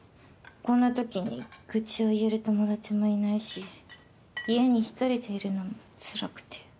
こんなときに愚痴を言える友達もいないし家に一人でいるのもつらくて。